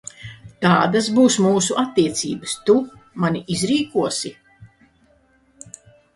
Tādas būs mūsu attiecības, tu mani izrīkosi?